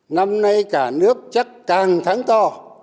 năm nay cả nước chắc càng thắng to